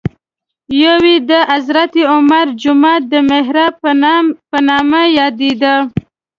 یو یې د حضرت عمر جومات د محراب په نامه یادېده.